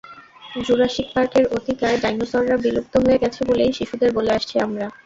Jurassic পার্কের অতিকায় ডাইনোসররা বিলুপ্ত হয়ে গেছে বলেই শিশুদের বলে আসছি আমরা।